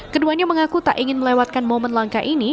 keduanya mengaku tak ingin melewatkan momen langka ini